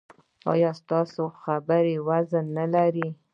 ایا ستاسو خبره وزن نلري؟